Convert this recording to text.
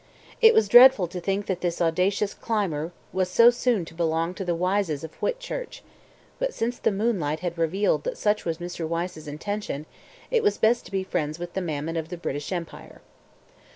It was dreadful to think that this audacious climber was so soon to belong to the Wyses of Whitchurch, but since the moonlight had revealed that such was Mr. Wyse's intention, it was best to be friends with the Mammon of the British Empire.